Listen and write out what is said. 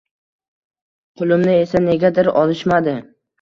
Pulimni esa negadir olishmadi.